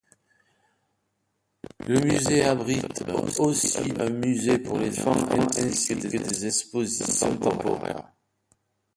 Le musée abrite aussi un musée pour les enfants, ainsi que des expositions temporaires.